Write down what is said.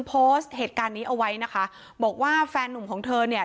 โพสต์เหตุการณ์นี้เอาไว้นะคะบอกว่าแฟนนุ่มของเธอเนี่ย